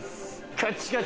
カッチカチ。